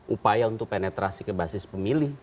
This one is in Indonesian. upaya untuk penetrasi ke basis pemilih